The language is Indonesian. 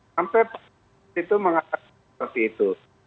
sampai pak itu mengatakan seperti itu